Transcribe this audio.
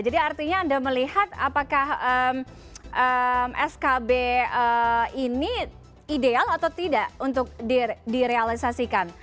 jadi artinya anda melihat apakah skb ini ideal atau tidak untuk direalisasikan